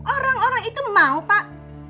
orang orang itu mau pak